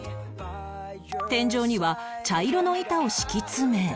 天井には茶色の板を敷き詰め